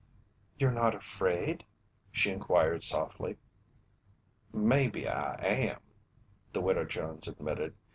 "You're not afraid?" she inquired softly. "Maybe I am," the Widow Jones admitted.